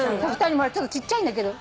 ちょっとちっちゃいんだけど。